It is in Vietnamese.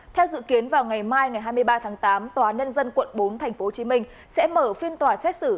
theo dự kiến vào ngày mai ngày hai mươi ba tháng tám tòa nhân dân quận bốn tp hcm sẽ mở phiên tòa xét xử